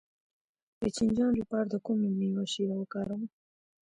د چینجیانو لپاره د کومې میوې شیره وکاروم؟